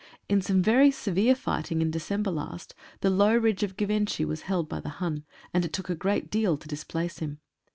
In some very severe fighting in December last the low ridge of Givenchy was held by the Hun, and it took a great deal to displace him.